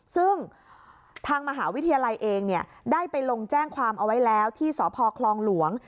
ซึ่งทางมหาวิทยาลัยเองได้ไปลงแจ้งความเอาไว้แล้วที่สพคลองหลวง